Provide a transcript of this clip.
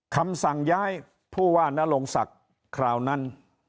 คำสั่งย้ายผู้ว่านรงศักดิ์คราวนั้น